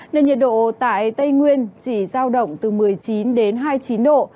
nền nhiệt độ tại tây nguyên chỉ sao động từ một mươi chín hai mươi chín độ